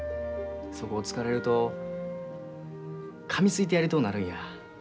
そこを突かれるとかみついてやりとうなるんや。